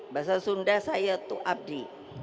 bahasa sunda saya itu abdi